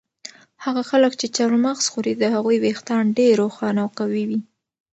هغه خلک چې چهارمغز خوري د هغوی ویښتان ډېر روښانه او قوي وي.